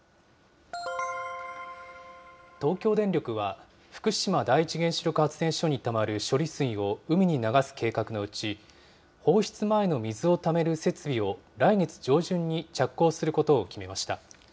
東京電力は、福島第一原子力発電所にたまる処理水を海に流す計画のうち、放出前の水をためる設備を来月上旬に着工することを決めました。